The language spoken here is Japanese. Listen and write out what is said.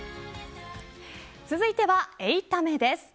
続いては、８タメです。